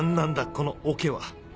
このオケは。